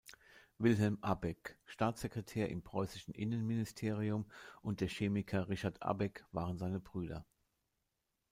Wilhelm Abegg, Staatssekretär im preußischen Innenministerium, und der Chemiker Richard Abegg waren seine Brüder.